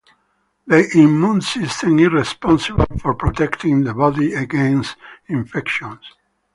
the immune system is responsible for protecting the body against infections.